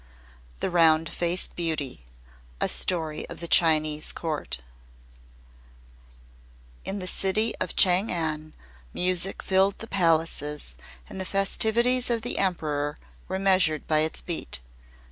THE ROUND FACED BEAUTY A STORY OF THE CHINESE COURT In the city of Chang an music filled the palaces, and the festivities of the Emperor were measured by its beat.